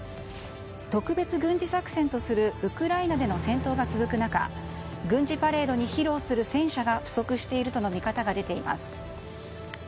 特別軍事作戦とするウクライナでの戦闘が続く中軍事パレードに披露する戦車が不足しているとの見方が出ています。